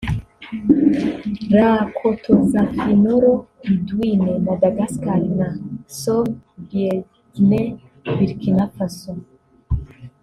Rakotozafinoro Lidwine (Madagascar) na Some Bielignin (Burkina Faso)